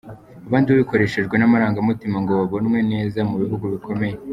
Abandi babikoreshejwe n’amarangamutima ngo babonwe neza mu bihugu bikomeye.